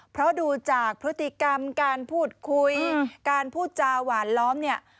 เพราะดูจากพฤติกรรมการพูดคุยการพูดจาหวานล้อมเนี่ย